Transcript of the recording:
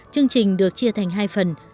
chương trình được chia thành hai phần